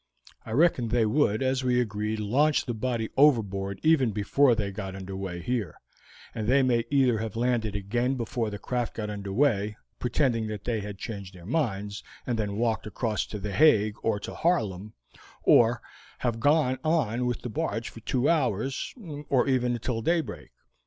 I reckon they would, as we agreed, launch the body overboard even before they got under way here, and they may either have landed again before the craft got under way, pretending that they had changed their minds, and then walked across to The Hague or to Haarlem, or have gone on with the barge for two hours, or even until daybreak.